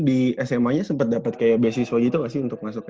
di sma nya sempet dapet kayak beasiswa gitu gak sih untuk masuknya